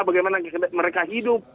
bagaimana mereka hidup